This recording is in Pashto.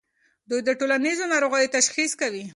دوی د ټولنیزو ناروغیو تشخیص کوي.